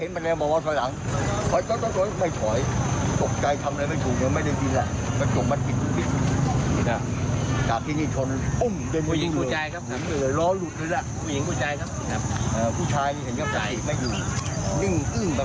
เหมือนเหนื่อยล้อหลุดเลยล่ะผู้ชายเห็นก็เก็บไม่อยู่นึ่งอึ้งประพับหนึ่ง